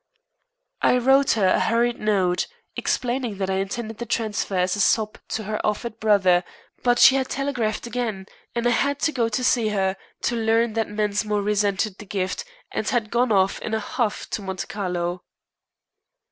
I wrote her a hurried note, explaining that I intended the transfer as a sop to her offended brother, but she had telegraphed again, and I had to go to see her, to learn that Mensmore resented the gift, and had gone off in a huff to Monte Carlo.